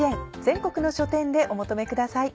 全国の書店でお求めください。